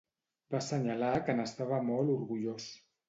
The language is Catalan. Va assenyalar que n'estava molt orgullós.